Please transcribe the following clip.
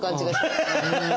ハハハハ！